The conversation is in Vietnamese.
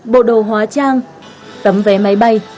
bộ đồ hóa trang tấm vé máy bay